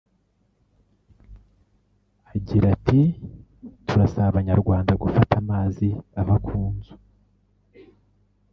Agira ati “Turasaba Abanyarwanda gufata amazi ava ku nzu